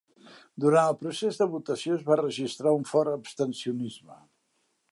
Durant el procés de votació es va registrar un fort abstencionisme.